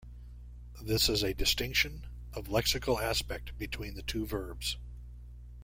This is a distinction of lexical aspect between the two verbs.